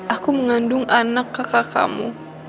aku mengandung anak kakak kamu